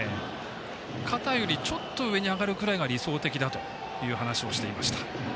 肩よりちょっと上に上がるぐらいが理想的だという話をしていました。